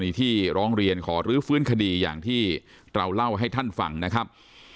มีที่ร้องเรียนขอรื้อฟื้นคดีอย่างที่เราเล่าให้ท่านฟังนะครับ